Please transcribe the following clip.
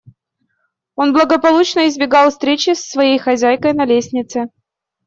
Он благополучно избегал встречи с своей хозяйкой на лестнице.